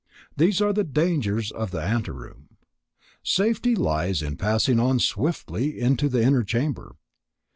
These are the dangers of the anteroom. Safety lies in passing on swiftly into the inner chamber.